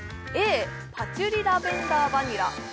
Ａパチュリ・ラベンダー・バニラＢ